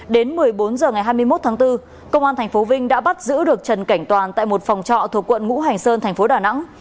đến một mươi bốn h ngày hai mươi một tháng bốn công an tp vinh đã bắt giữ được trần cảnh toàn tại một phòng trọ thuộc quận ngũ hành sơn thành phố đà nẵng